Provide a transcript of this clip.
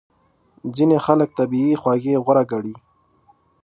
ځینې خلک طبیعي خوږې غوره ګڼي.